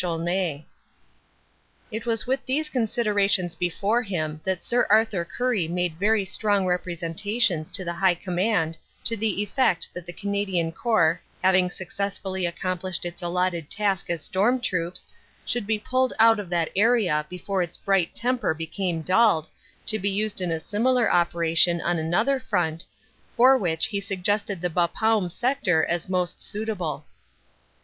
86 LESSONS OF THE BATTLE 87 It was with these considerations before him that Sir Arthur Currie made very strong representations to the high command to the effect that the Canadian Corps having successfully accomplished its allotted task as storm troops, should be pulled out of that area before its bright temper became dulled, to be used in a similar operation on another front, for which he suggested the Bapaume sector as most suitable.